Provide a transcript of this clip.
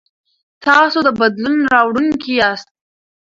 تاسو د بدلون راوړونکي یاست.